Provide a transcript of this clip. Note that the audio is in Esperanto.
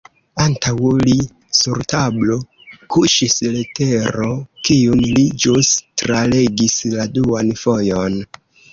Antaŭ li, sur tablo, kuŝis letero, kiun li ĵus tralegis la duan fojon.